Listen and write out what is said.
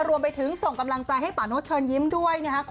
รวมไปถึงส่งกำลังใจให้ป่าโน๊ตเชิญยิ้มด้วยนะครับ